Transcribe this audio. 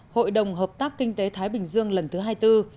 hội đồng hợp tác kinh tế thái bình dương lần thứ hai mươi bốn